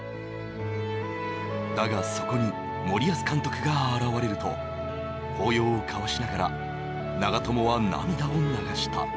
だがそこに森保監督が現れると抱擁を交わしながら長友は涙を流した。